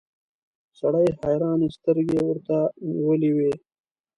سړي حيرانې سترګې ورته نيولې وې.